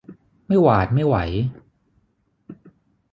ไม่หวาดไม่ไหว